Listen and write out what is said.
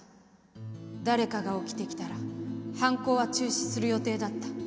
誰かが起きてきたら犯行は中止する予定だった。